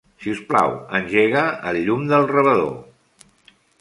Si us plau, engega el llum del rebedor.